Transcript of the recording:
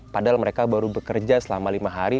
padahal mereka baru bekerja selama lima hari